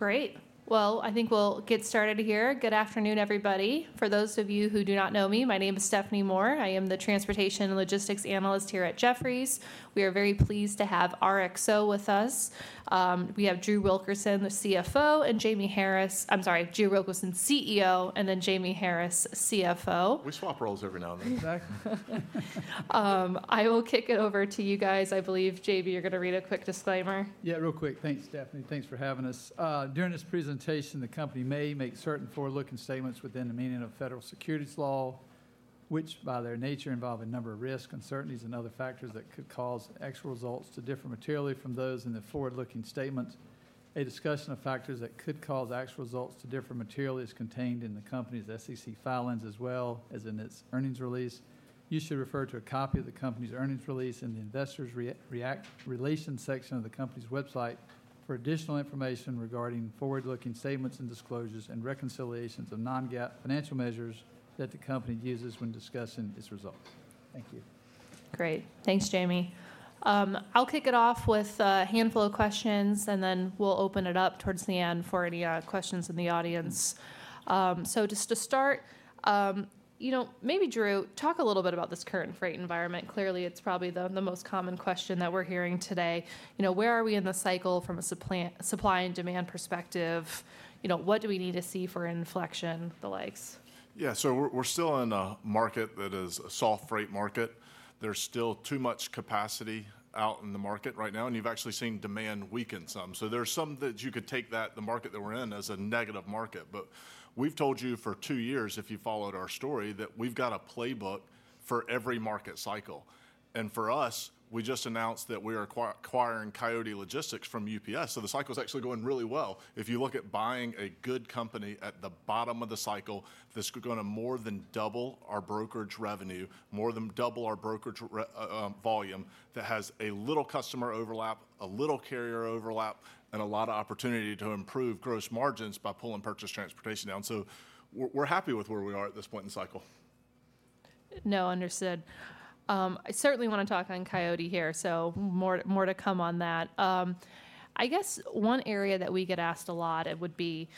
Great! I think we'll get started here. Good afternoon, everybody. For those of you who do not know me, my name is Stephanie Moore. I am the Transportation and Logistics Analyst here at Jefferies. We are very pleased to have RXO with us. We have Drew Wilkerson, the CFO, and Jamie Harris. I'm sorry, Drew Wilkerson, CEO, and then Jamie Harris, CFO. We swap roles every now and then. Exactly. I will kick it over to you guys. I believe, Jamie, you're going to read a quick disclaimer. Yeah, real quick. Thanks, Stephanie. Thanks for having us. During this presentation, the company may make certain forward-looking statements within the meaning of federal securities law, which, by their nature, involve a number of risks, uncertainties, and other factors that could cause actual results to differ materially from those in the forward-looking statements. A discussion of factors that could cause actual results to differ materially is contained in the company's SEC filings as well as in its earnings release. You should refer to a copy of the company's earnings release in the Investor Relations section of the company's website for additional information regarding forward-looking statements and disclosures and reconciliations of non-GAAP financial measures that the company uses when discussing its results. Thank you. Great. Thanks, Jamie. I'll kick it off with a handful of questions, and then we'll open it up towards the end for any questions in the audience. So just to start, you know, maybe, Drew, talk a little bit about this current freight environment. Clearly, it's probably the most common question that we're hearing today. You know, where are we in the cycle from a supply and demand perspective? You know, what do we need to see for inflection, the likes? Yeah, so we're still in a market that is a soft freight market. There's still too much capacity out in the market right now, and you've actually seen demand weaken some. So there's some that you could take that, the market that we're in, as a negative market. But we've told you for two years, if you've followed our story, that we've got a playbook for every market cycle. And for us, we just announced that we are acquiring Coyote Logistics from UPS, so the cycle's actually going really well. If you look at buying a good company at the bottom of the cycle, this is going to more than double our brokerage revenue, more than double our brokerage volume, that has a little customer overlap, a little carrier overlap, and a lot of opportunity to improve gross margins by pulling purchased transportation down. So we're happy with where we are at this point in the cycle. No, understood. I certainly want to talk on Coyote here, so more to come on that. I guess one area that we get asked a lot, it would be,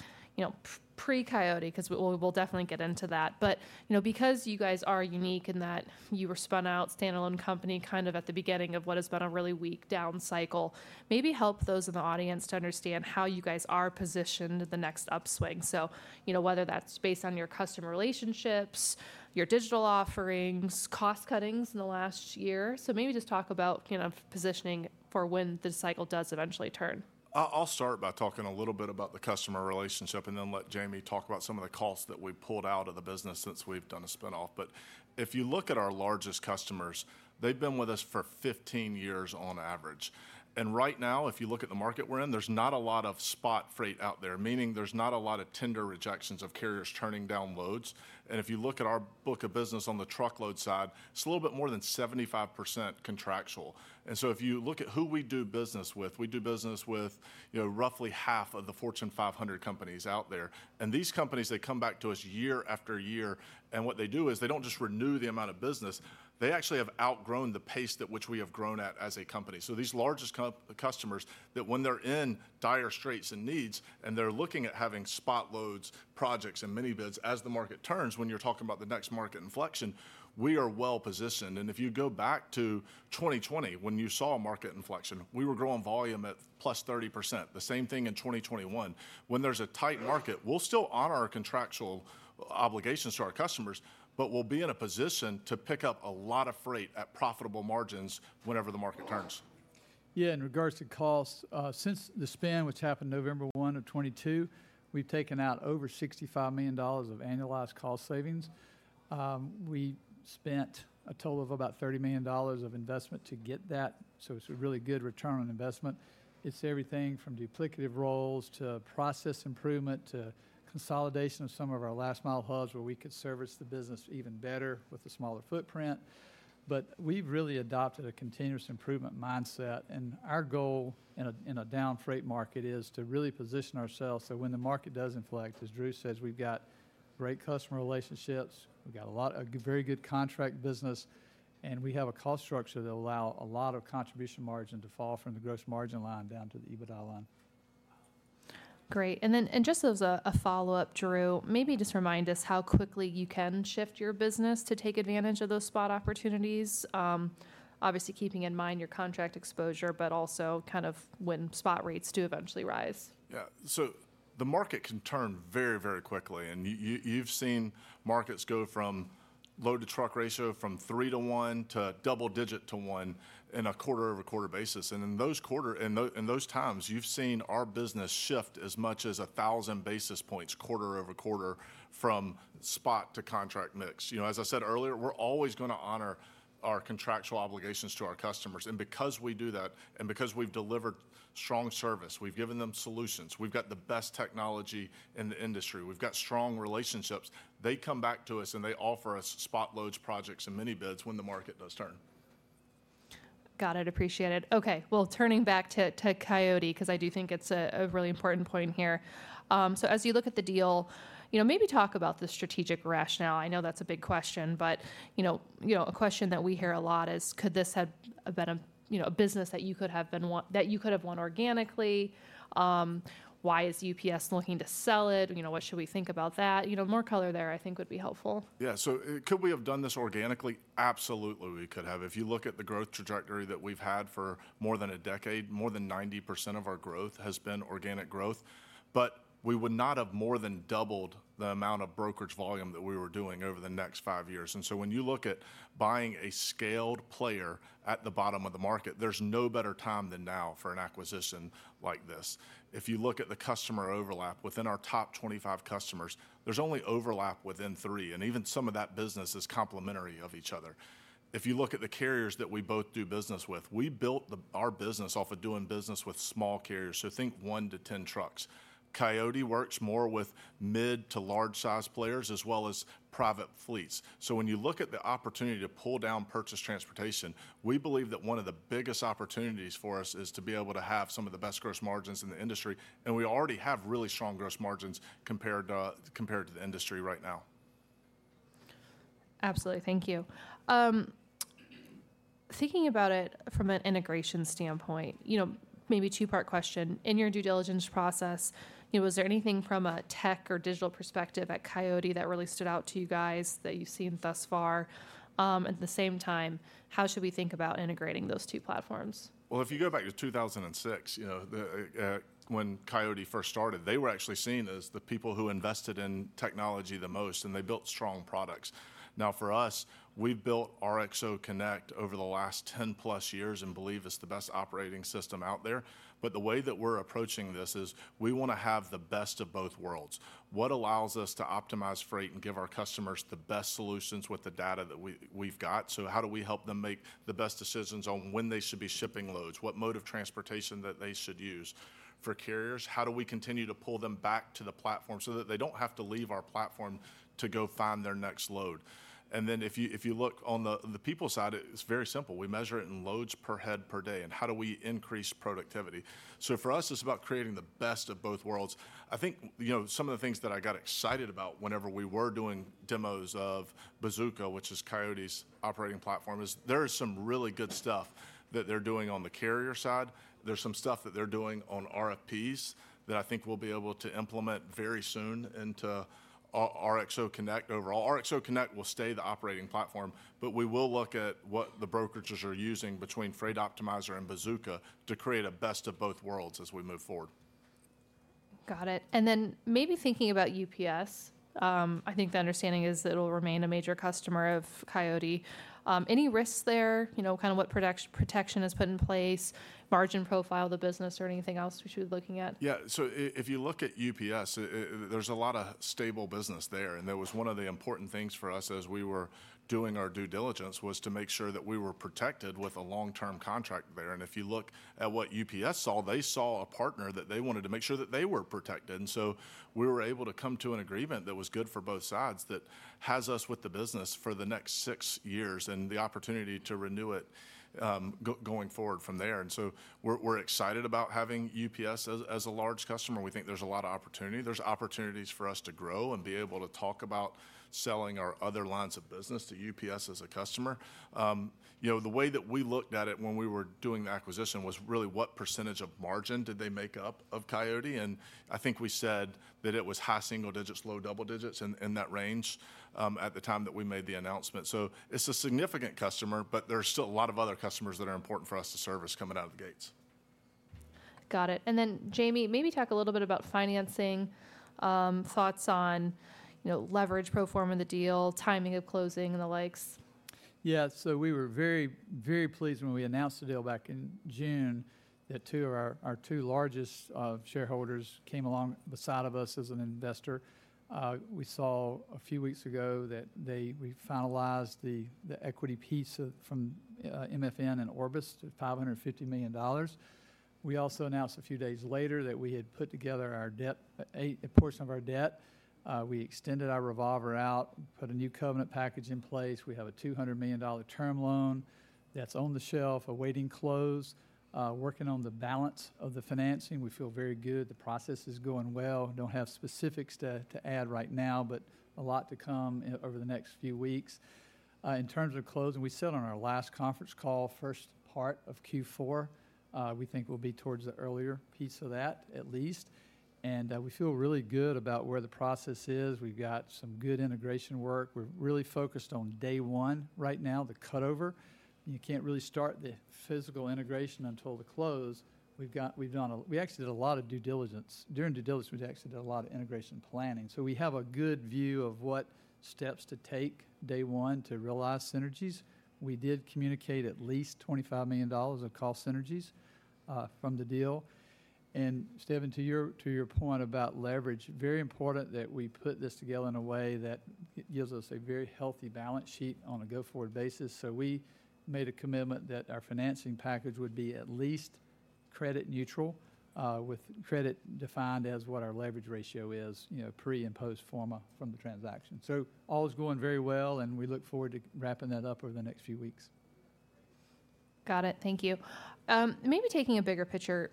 you know, pre-Coyote, 'cause we, we'll definitely get into that. But, you know, because you guys are unique in that you were spun out, standalone company, kind of at the beginning of what has been a really weak down cycle, maybe help those in the audience to understand how you guys are positioned the next upswing. So, you know, whether that's based on your customer relationships, your digital offerings, cost cuttings in the last year. So maybe just talk about kind of positioning for when the cycle does eventually turn. I'll start by talking a little bit about the customer relationship, and then let Jamie talk about some of the costs that we've pulled out of the business since we've done a spin-off. But if you look at our largest customers, they've been with us for 15 years on average. And right now, if you look at the market we're in, there's not a lot of spot freight out there, meaning there's not a lot of tender rejections of carriers turning down loads. And if you look at our book of business on the truckload side, it's a little bit more than 75% contractual. And so if you look at who we do business with, we do business with, you know, roughly half of the Fortune 500 companies out there. These companies, they come back to us year after year, and what they do is, they don't just renew the amount of business, they actually have outgrown the pace at which we have grown at as a company. So these largest customers, that when they're in dire straits and needs, and they're looking at having spot loads, projects, and mini bids, as the market turns, when you're talking about the next market inflection, we are well positioned. If you go back to 2020, when you saw a market inflection, we were growing volume at plus 30%. The same thing in 2021. When there's a tight market, we'll still honor our contractual obligations to our customers, but we'll be in a position to pick up a lot of freight at profitable margins whenever the market turns. Yeah, in regards to costs, since the spin, which happened November one of 2022, we've taken out over $65 million of annualized cost savings. We spent a total of about $30 million of investment to get that, so it's a really good return on investment. It's everything from duplicative roles, to process improvement, to consolidation of some of our last-mile hubs, where we could service the business even better with a smaller footprint. But we've really adopted a continuous improvement mindset, and our goal in a down freight market is to really position ourselves so when the market does inflect, as Drew says, we've got great customer relationships, we've got a lot of very good contract business, and we have a cost structure that'll allow a lot of contribution margin to fall from the gross margin line down to the EBITDA line. Great. And then, just as a follow-up, Drew, maybe just remind us how quickly you can shift your business to take advantage of those spot opportunities. Obviously, keeping in mind your contract exposure, but also kind of when spot rates do eventually rise. Yeah, so the market can turn very, very quickly, and you've seen markets go from load-to-truck ratio from three to one to double digit to one in a quarter-over-quarter basis. And in those times, you've seen our business shift as much as a thousand basis points, quarter over quarter, from spot to contract mix. You know, as I said earlier, we're always gonna honor our contractual obligations to our customers. And because we do that, and because we've delivered strong service, we've given them solutions, we've got the best technology in the industry, we've got strong relationships, they come back to us, and they offer us spot loads, projects, and mini bids when the market does turn. Got it. Appreciate it. Okay, well, turning back to Coyote, 'cause I do think it's a really important point here. So as you look at the deal, you know, maybe talk about the strategic rationale. I know that's a big question, but, you know, a question that we hear a lot is: Could this have been a you know, a business that you could have won organically? Why is UPS looking to sell it? You know, what should we think about that? You know, more color there, I think, would be helpful. Yeah. So, could we have done this organically? Absolutely, we could have. If you look at the growth trajectory that we've had for more than a decade, more than 90% of our growth has been organic growth. But we would not have more than doubled the amount of brokerage volume that we were doing over the next five years. And so when you look at buying a scaled player at the bottom of the market, there's no better time than now for an acquisition like this. If you look at the customer overlap, within our top 25 customers, there's only overlap within 3, and even some of that business is complementary of each other. If you look at the carriers that we both do business with, we built our business off of doing business with small carriers, so think one to 10 trucks. Coyote works more with mid to large-sized players, as well as private fleets, so when you look at the opportunity to pull down purchased transportation, we believe that one of the biggest opportunities for us is to be able to have some of the best gross margins in the industry, and we already have really strong gross margins compared to, compared to the industry right now. Absolutely. Thank you. Thinking about it from an integration standpoint, you know, maybe a two-part question. In your due diligence process, you know, was there anything from a tech or digital perspective at Coyote that really stood out to you guys that you've seen thus far? At the same time, how should we think about integrating those two platforms? If you go back to 2006, you know, when Coyote first started, they were actually seen as the people who invested in technology the most, and they built strong products. Now, for us, we've built RXO Connect over the last 10+ years and believe it's the best operating system out there. But the way that we're approaching this is, we wanna have the best of both worlds. What allows us to optimize freight and give our customers the best solutions with the data that we've got? So how do we help them make the best decisions on when they should be shipping loads? What mode of transportation that they should use? For carriers, how do we continue to pull them back to the platform so that they don't have to leave our platform to go find their next load? And then if you look on the people side, it's very simple. We measure it in loads per head per day, and how do we increase productivity? So for us, it's about creating the best of both worlds. I think, you know, some of the things that I got excited about whenever we were doing demos of Bazooka, which is Coyote's operating platform, is some really good stuff that they're doing on the carrier side. There's some stuff that they're doing on RFPs that I think we'll be able to implement very soon into RXO Connect overall. RXO Connect will stay the operating platform, but we will look at what the brokerages are using between Freight Optimizer and Bazooka to create a best of both worlds as we move forward. Got it. And then maybe thinking about UPS, I think the understanding is that it'll remain a major customer of Coyote. Any risks there? You know, kind of what protection is put in place, margin profile of the business, or anything else we should be looking at? Yeah, so if you look at UPS, there's a lot of stable business there, and that was one of the important things for us as we were doing our due diligence, was to make sure that we were protected with a long-term contract there. And if you look at what UPS saw, they saw a partner that they wanted to make sure that they were protected. And so we were able to come to an agreement that was good for both sides, that has us with the business for the next six years, and the opportunity to renew it, going forward from there. And so we're excited about having UPS as a large customer. We think there's a lot of opportunity. There's opportunities for us to grow and be able to talk about selling our other lines of business to UPS as a customer. You know, the way that we looked at it when we were doing the acquisition was really, what percentage of margin did they make up of Coyote? And I think we said that it was high single digits, low double digits, in that range, at the time that we made the announcement. So it's a significant customer, but there are still a lot of other customers that are important for us to service coming out of the gates. Got it. And then, Jamie, maybe talk a little bit about financing, thoughts on, you know, leverage pro forma in the deal, timing of closing, and the likes. Yeah, so we were very, very pleased when we announced the deal back in June, that two of our two largest shareholders came along the side of us as an investor. We saw a few weeks ago that we finalized the equity piece from MFN and Orbis to $550 million. We also announced a few days later that we had put together our debt, a portion of our debt. We extended our revolver out, put a new covenant package in place. We have a $200 million term loan that's on the shelf, awaiting close. Working on the balance of the financing. We feel very good. The process is going well. Don't have specifics to add right now, but a lot to come over the next few weeks. In terms of closing, we said on our last conference call, first part of Q4, we think will be towards the earlier piece of that, at least. We feel really good about where the process is. We've got some good integration work. We're really focused on day one right now, the cutover. You can't really start the physical integration until the close. We've done a lot of due diligence. During due diligence, we've actually done a lot of integration planning. So we have a good view of what steps to take day one to realize synergies. We did communicate at least $25 million of cost synergies from the deal. Stephanie, to your point about leverage, very important that we put this together in a way that gives us a very healthy balance sheet on a go-forward basis. We made a commitment that our financing package would be at least credit neutral, with credit defined as what our leverage ratio is, you know, pre- and pro forma from the transaction. All is going very well, and we look forward to wrapping that up over the next few weeks. Got it. Thank you. Maybe taking a bigger picture,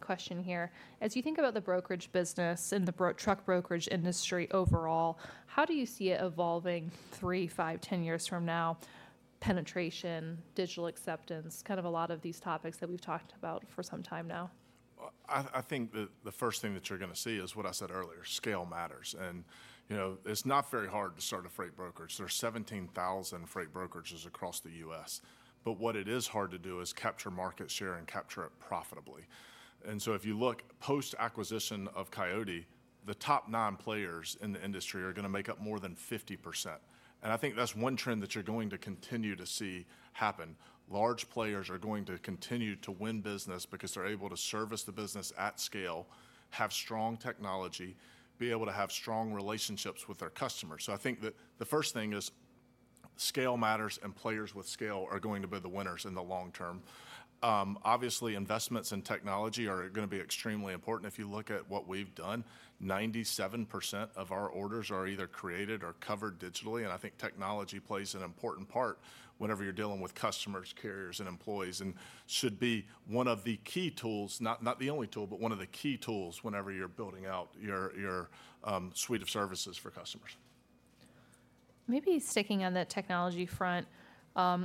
question here, as you think about the brokerage business and the truck brokerage industry overall, how do you see it evolving three, five, ten years from now? Penetration, digital acceptance, kind of a lot of these topics that we've talked about for some time now. I think the first thing that you're going to see is what I said earlier. Scale matters, and you know, it's not very hard to start a freight brokerage. There's 17,000 freight brokerages across the U.S., but what it is hard to do is capture market share and capture it profitably, and so if you look post-acquisition of Coyote, the top nine players in the industry are going to make up more than 50%, and I think that's one trend that you're going to continue to see happen. Large players are going to continue to win business because they're able to service the business at scale, have strong technology, be able to have strong relationships with their customers, so I think that the first thing is scale matters, and players with scale are going to be the winners in the long term. Obviously, investments in technology are going to be extremely important. If you look at what we've done, 97% of our orders are either created or covered digitally, and I think technology plays an important part whenever you're dealing with customers, carriers, and employees, and should be one of the key tools, not the only tool, but one of the key tools whenever you're building out your suite of services for customers. Maybe sticking on that technology front,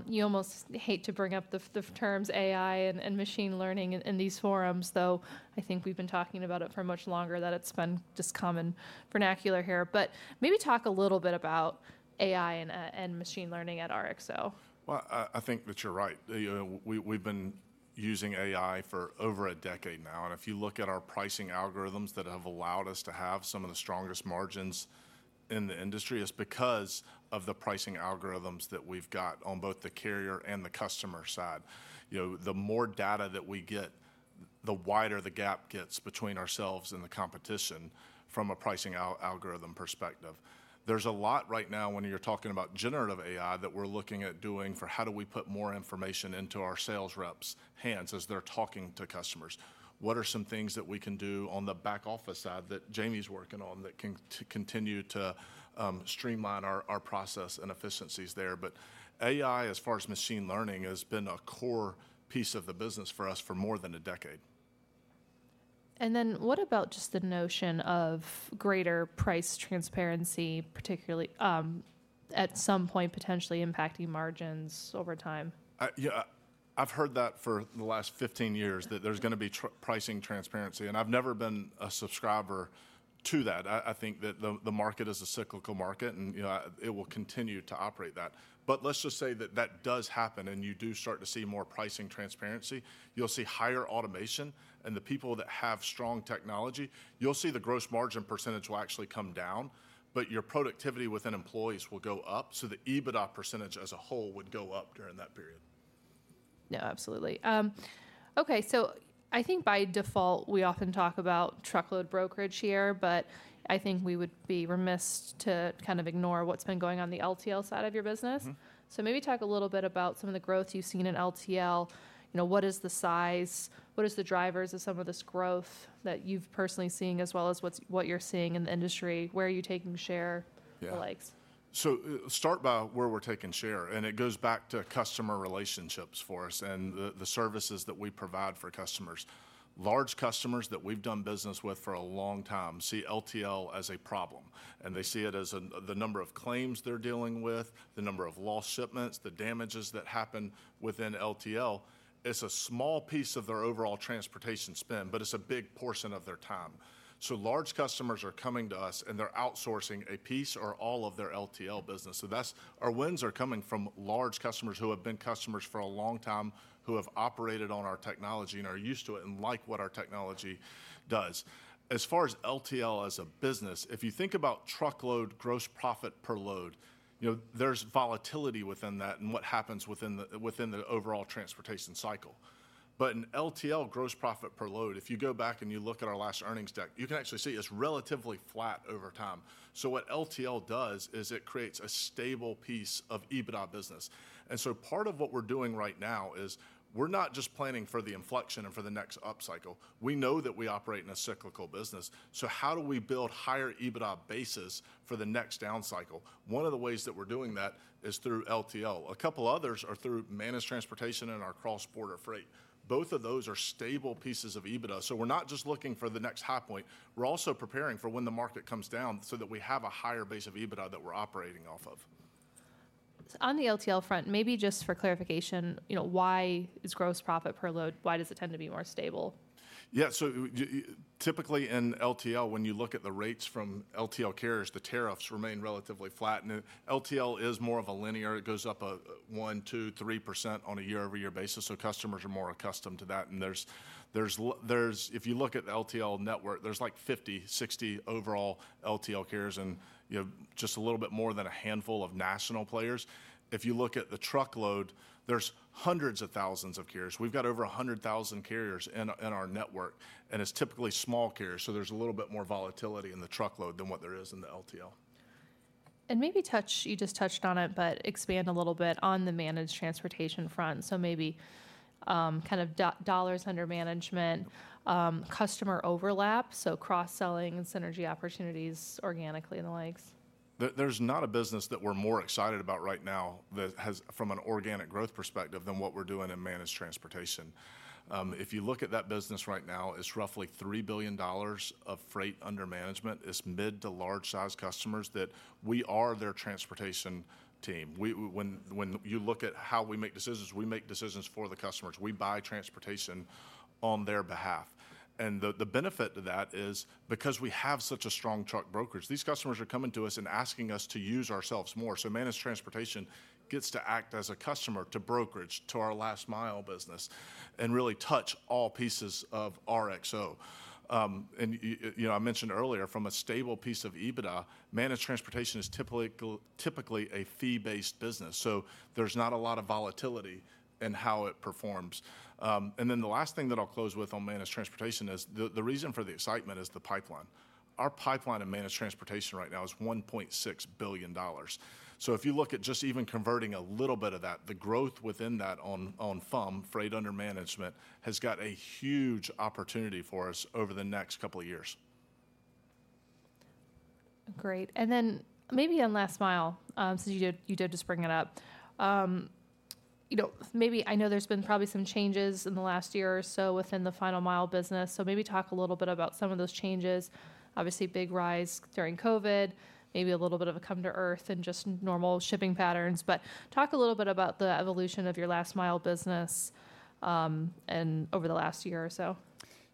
you almost hate to bring up the terms AI and machine learning in these forums, though I think we've been talking about it for much longer, that it's been just common vernacular here. But maybe talk a little bit about AI and machine learning at RXO. I think that you're right. You know, we've been using AI for over a decade now, and if you look at our pricing algorithms that have allowed us to have some of the strongest margins in the industry, it's because of the pricing algorithms that we've got on both the carrier and the customer side. You know, the more data that we get, the wider the gap gets between ourselves and the competition from a pricing algorithm perspective. There's a lot right now, when you're talking about generative AI, that we're looking at doing for how do we put more information into our sales reps' hands as they're talking to customers? What are some things that we can do on the back office side, that Jamie's working on, that can continue to streamline our process and efficiencies there? But AI, as far as machine learning, has been a core piece of the business for us for more than a decade. What about just the notion of greater price transparency, particularly, at some point, potentially impacting margins over time? Yeah, I've heard that for the last 15 years that there's going to be true pricing transparency, and I've never been a subscriber to that. I think that the market is a cyclical market, and, you know, it will continue to operate that. But let's just say that that does happen, and you do start to see more pricing transparency. You'll see higher automation, and the people that have strong technology, you'll see the gross margin percentage will actually come down, but your productivity within employees will go up, so the EBITDA percentage as a whole would go up during that period. No, absolutely. Okay, so I think by default, we often talk about truckload brokerage here, but I think we would be remiss to kind of ignore what's been going on the LTL side of your business. Mm-hmm. So maybe talk a little bit about some of the growth you've seen in LTL. You know, what is the size? What is the drivers of some of this growth that you've personally seen, as well as what's, what you're seeing in the industry? Where are you taking share- Yeah the likes? Start by where we're taking share, and it goes back to customer relationships for us and the services that we provide for customers. Large customers that we've done business with for a long time see LTL as a problem, and they see it as the number of claims they're dealing with, the number of lost shipments, the damages that happen within LTL. It's a small piece of their overall transportation spend, but it's a big portion of their time. So large customers are coming to us, and they're outsourcing a piece or all of their LTL business. So that's... Our wins are coming from large customers who have been customers for a long time, who have operated on our technology and are used to it and like what our technology does. As far as LTL as a business, if you think about truckload gross profit per load, you know, there's volatility within that and what happens within the overall transportation cycle. But in LTL gross profit per load, if you go back and you look at our last earnings deck, you can actually see it's relatively flat over time. So what LTL does is it creates a stable piece of EBITDA business. And so part of what we're doing right now is, we're not just planning for the inflection and for the next upcycle. We know that we operate in a cyclical business, so how do we build higher EBITDA bases for the next down cycle? One of the ways that we're doing that is through LTL. A couple others are through managed transportation and our cross-border freight. Both of those are stable pieces of EBITDA, so we're not just looking for the next high point. We're also preparing for when the market comes down so that we have a higher base of EBITDA that we're operating off of. On the LTL front, maybe just for clarification, you know, why is gross profit per load, why does it tend to be more stable? Yeah, so typically, in LTL, when you look at the rates from LTL carriers, the tariffs remain relatively flat, and LTL is more of a linear. It goes up 1%, 2%, 3% on a year-over-year basis, so customers are more accustomed to that, and there's if you look at the LTL network, there's, like, 50, 60 overall LTL carriers, and, you know, just a little bit more than a handful of national players. If you look at the truckload, there's hundreds of thousands of carriers. We've got over 100,000 carriers in our network, and it's typically small carriers, so there's a little bit more volatility in the truckload than what there is in the LTL. And maybe touch, you just touched on it, but expand a little bit on the managed transportation front. So, dollars under management, customer overlap, so cross-selling and synergy opportunities organically and the likes? There's not a business that we're more excited about right now that has, from an organic growth perspective, than what we're doing in managed transportation. If you look at that business right now, it's roughly $3 billion of freight under management. It's mid- to large-sized customers that we are their transportation team. When you look at how we make decisions, we make decisions for the customers. We buy transportation on their behalf, and the benefit to that is because we have such a strong truck brokerage, these customers are coming to us and asking us to use ourselves more. Managed transportation gets to act as a customer to brokerage, to our last-mile business, and really touch all pieces of RXO. You know, I mentioned earlier, from a stable piece of EBITDA, managed transportation is typically a fee-based business, so there's not a lot of volatility in how it performs. And then the last thing that I'll close with on managed transportation is the reason for the excitement is the pipeline. Our pipeline in managed transportation right now is $1.6 billion. So if you look at just even converting a little bit of that, the growth within that on FUM, Freight Under Management, has got a huge opportunity for us over the next couple of years. Great. And then maybe on last mile, since you did just bring it up. You know, maybe I know there's been probably some changes in the last year or so within the last mile business, so maybe talk a little bit about some of those changes. Obviously, a big rise during COVID, maybe a little bit of a come to earth and just normal shipping patterns. But talk a little bit about the evolution of your last-mile business, and over the last year or so.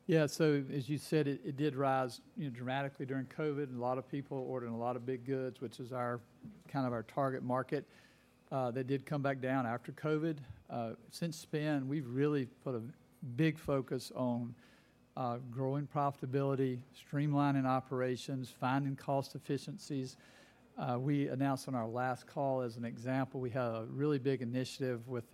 Yeah. So as you said, it did rise, you know, dramatically during COVID, and a lot of people ordered a lot of big goods, which is kind of our target market. That did come back down after COVID. Since spin, we've really put a big focus on growing profitability, streamlining operations, finding cost efficiencies. We announced on our last call, as an example, we had a really big initiative with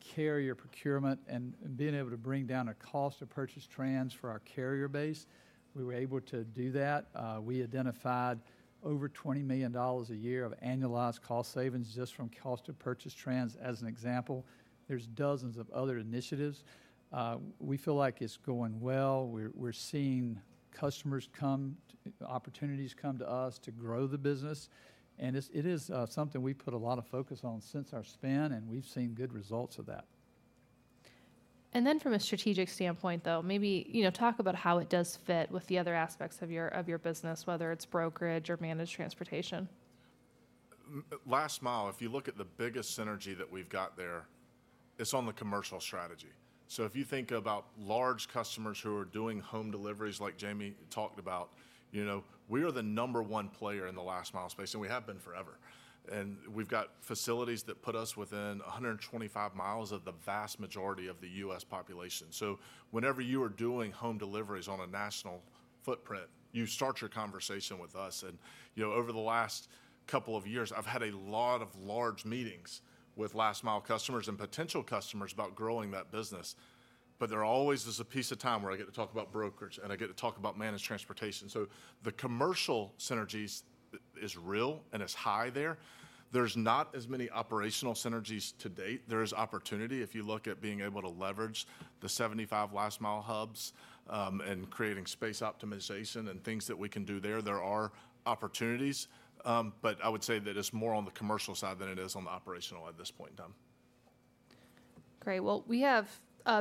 carrier procurement and being able to bring down the cost of purchased transportation for our carrier base. We were able to do that. We identified over $20 million a year of annualized cost savings just from cost of purchased transportation, as an example. There's dozens of other initiatives. We feel like it's going well. We're seeing customers come to... Opportunities come to us to grow the business, and it's, it is, something we've put a lot of focus on since our spin, and we've seen good results of that. And then from a strategic standpoint, though, maybe, you know, talk about how it does fit with the other aspects of your business, whether it's brokerage or managed transportation. Last mile, if you look at the biggest synergy that we've got there, it's on the commercial strategy, so if you think about large customers who are doing home deliveries, like Jamie talked about, you know, we are the number one player in the last-mile space, and we have been forever, and we've got facilities that put us within 125 miles of the vast majority of the U.S. population, so whenever you are doing home deliveries on a national footprint, you start your conversation with us, and, you know, over the last couple of years, I've had a lot of large meetings with last-mile customers and potential customers about growing that business, but there always is a piece of time where I get to talk about brokerage, and I get to talk about managed transportation, so the commercial synergies is real, and it's high there. There's not as many operational synergies to date. There is opportunity if you look at being able to leverage the 75 last-mile hubs, and creating space optimization and things that we can do there. There are opportunities, but I would say that it's more on the commercial side than it is on the operational at this point in time. Great. Well, we have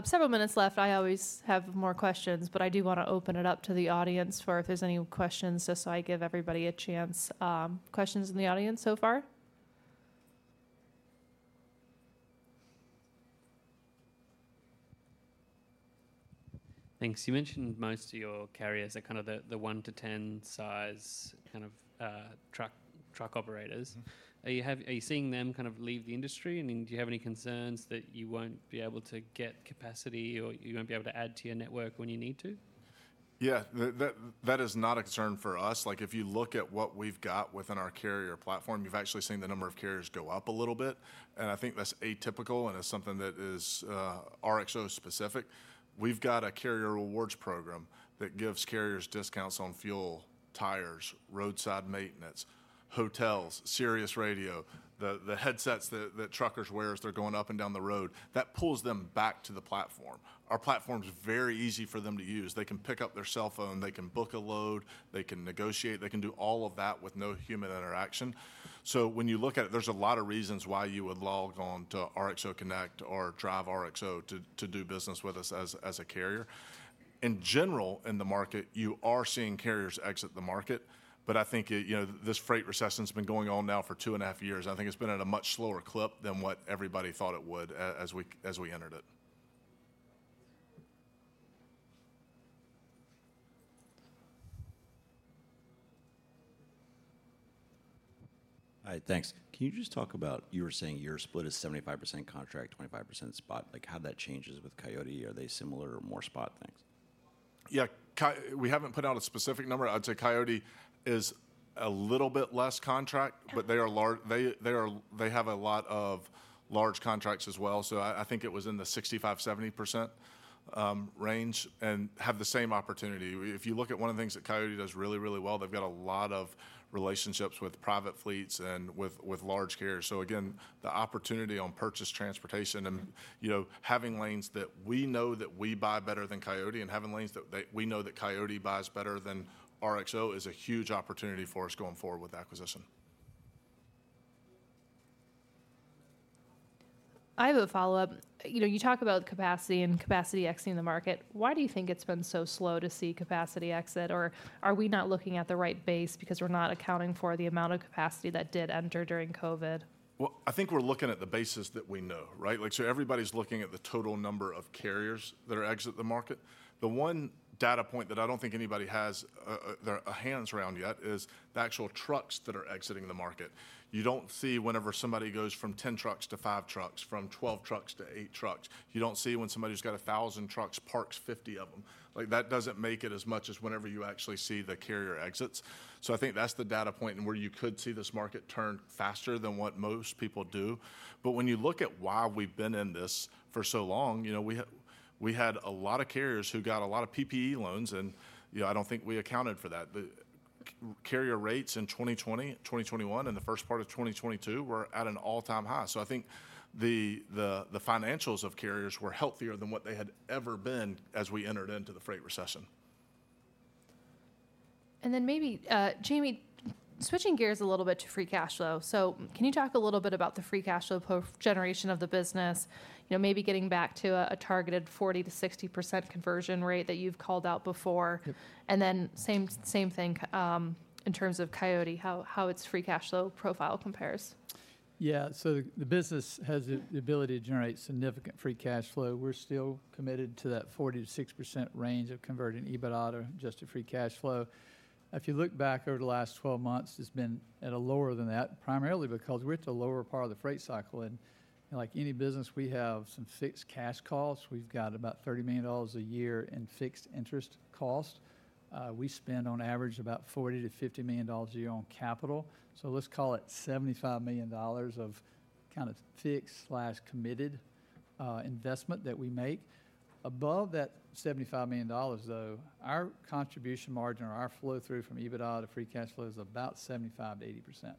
several minutes left. I always have more questions, but I do want to open it up to the audience for if there's any questions, just so I give everybody a chance. Questions in the audience so far? Thanks. You mentioned most of your carriers are kind of the one to ten size, kind of truck operators. Mm-hmm. Are you seeing them kind of leave the industry? And then, do you have any concerns that you won't be able to get capacity or you won't be able to add to your network when you need to? Yeah, that is not a concern for us. Like, if you look at what we've got within our carrier platform, you've actually seen the number of carriers go up a little bit, and I think that's atypical, and it's something that is RXO-specific. We've got a carrier rewards program that gives carriers discounts on fuel, tires, roadside maintenance, hotels, Sirius Radio, the headsets that truckers wear as they're going up and down the road. That pulls them back to the platform. Our platform's very easy for them to use. They can pick up their cell phone, they can book a load, they can negotiate, they can do all of that with no human interaction. So when you look at it, there's a lot of reasons why you would log on to RXO Connect or Drive RXO to do business with us as a carrier. In general, in the market, you are seeing carriers exit the market, but I think it, you know, this freight recession's been going on now for two and a half years. I think it's been at a much slower clip than what everybody thought it would as we entered it. Hi, thanks. Can you just talk about, you were saying your split is 75% contract, 25% spot, like, how that changes with Coyote? Are they similar or more spot things? Yeah, we haven't put out a specific number. I'd say Coyote is a little bit less contract, but they are large. They have a lot of large contracts as well. So I think it was in the 65%-70% range, and have the same opportunity. If you look at one of the things that Coyote does really well, they've got a lot of relationships with private fleets and with large carriers. So again, the opportunity on purchased transportation- Mm-hmm. And, you know, having lanes that we know that we buy better than Coyote, and having lanes that we know that Coyote buys better than RXO, is a huge opportunity for us going forward with the acquisition. I have a follow-up. You know, you talk about capacity and capacity exiting the market. Why do you think it's been so slow to see capacity exit? Or are we not looking at the right base because we're not accounting for the amount of capacity that did enter during COVID? Well, I think we're looking at the bases that we know, right? Like, so everybody's looking at the total number of carriers that are exiting the market. The one data point that I don't think anybody has their hands around yet is the actual trucks that are exiting the market. You don't see whenever somebody goes from 10 trucks to five trucks, from 12 trucks to eight trucks. You don't see when somebody who's got 1,000 trucks parks 50 of them. Like, that doesn't make it as much as whenever you actually see the carrier exits. So I think that's the data point and where you could see this market turn faster than what most people do. But when you look at why we've been in this for so long, you know, we had a lot of carriers who got a lot of PPE loans, and, you know, I don't think we accounted for that. The carrier rates in 2020, 2021, and the first part of 2022 were at an all-time high. So I think the financials of carriers were healthier than what they had ever been as we entered into the freight recession. Then maybe, Jamie, switching gears a little bit to free cash flow. Can you talk a little bit about the free cash flow generation of the business? You know, maybe getting back to a targeted 40%-60% conversion rate that you've called out before. Yep. And then same, same thing, in terms of Coyote, how its free cash flow profile compares. Yeah. So the business has the ability to generate significant free cash flow. We're still committed to that 40%-60% range of converting EBITDA to free cash flow. If you look back over the last twelve months, it's been lower than that, primarily because we're at the lower part of the freight cycle, and like any business, we have some fixed cash costs. We've got about $30 million a year in fixed interest cost. We spend, on average, about $40-$50 million a year on capital. So let's call it $75 million of kind of fixed committed investment that we make. Above that $75 million, though, our contribution margin or our flow-through from EBITDA to free cash flow is about 75%-80%.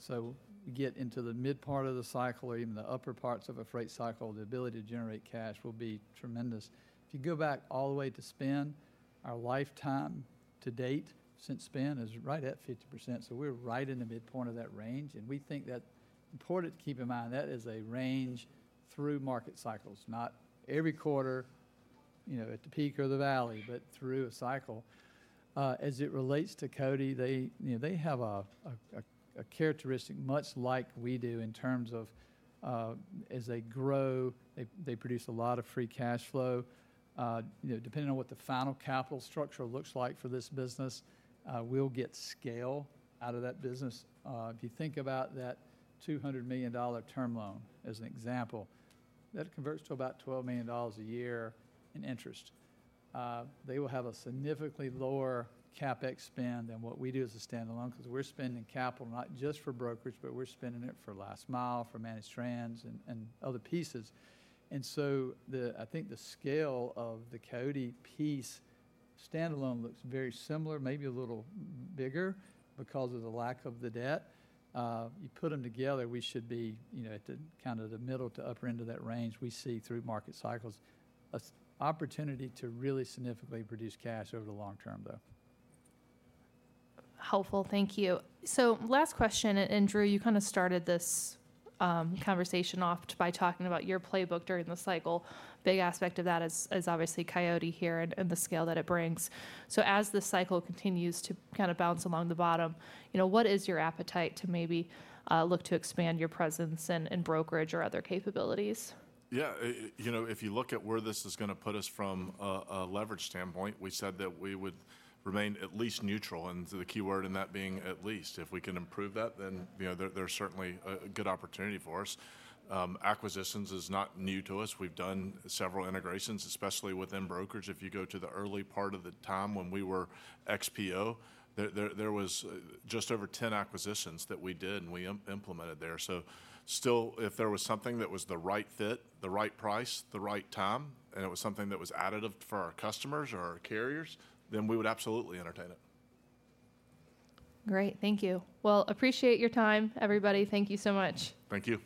So we get into the mid part of the cycle or even the upper parts of a freight cycle, the ability to generate cash will be tremendous. If you go back all the way to spin, our lifetime to date since spin is right at 50%, so we're right in the midpoint of that range, and we think that's important to keep in mind. That is a range through market cycles, not every quarter, you know, at the peak or the valley, but through a cycle. As it relates to Coyote, they, you know, they have a characteristic much like we do in terms of, as they grow, they produce a lot of free cash flow. You know, depending on what the final capital structure looks like for this business, we'll get scale out of that business. If you think about that $200 million term loan as an example, that converts to about $12 million a year in interest. They will have a significantly lower CapEx spend than what we do as a standalone, 'cause we're spending capital not just for brokerage, but we're spending it for last mile, for managed trans, and other pieces. And so I think the scale of the Coyote piece standalone looks very similar, maybe a little bigger because of the lack of the debt. You put them together, we should be, you know, at the kind of the middle to upper end of that range. We see through market cycles an opportunity to really significantly produce cash over the long term, though. Helpful. Thank you. So last question, and Drew, you kind of started this conversation off by talking about your playbook during the cycle. Big aspect of that is obviously Coyote here and the scale that it brings. So as this cycle continues to kind of bounce along the bottom, you know, what is your appetite to maybe look to expand your presence in brokerage or other capabilities? Yeah, you know, if you look at where this is gonna put us from a leverage standpoint, we said that we would remain at least neutral, and the keyword in that being at least. If we can improve that, then, you know, there's certainly a good opportunity for us. Acquisitions is not new to us. We've done several integrations, especially within brokerage. If you go to the early part of the time when we were XPO, there was just over ten acquisitions that we did, and we implemented there. So still, if there was something that was the right fit, the right price, the right time, and it was something that was additive for our customers or our carriers, then we would absolutely entertain it. Great. Thank you. Well, appreciate your time, everybody. Thank you so much. Thank you.